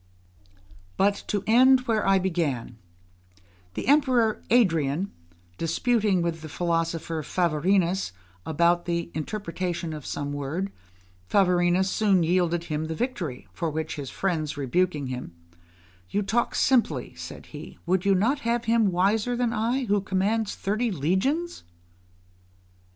But to end where I began: the Emperor Adrian, disputing with the philosopher Favorinus about the interpretation of some word, Favorinus soon yielded him the victory; for which his friends rebuking him, "You talk simply," said he; "would you not have him wiser than I, who commands thirty legions?"